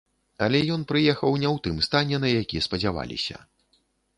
Але ён прыехаў не ў тым стане, на які спадзяваліся.